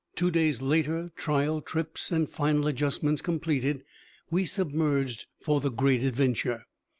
Two days later, trial trips and final adjustments completed, we submerged for the great adventure.